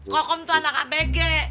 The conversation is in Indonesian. kokom tuh anak abg